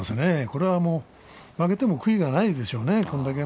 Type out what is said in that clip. これはもう負けても悔いがないでしょうね。